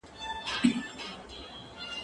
زه پلان نه جوړوم،